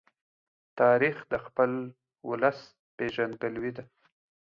تاریخ د خپل ولس پېژندګلوۍ ده.